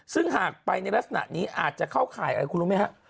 ซึ่งหากไปในลักษณะนี้อาจจะเข้าข่ายอะไรคุณรู้ไหมฮะ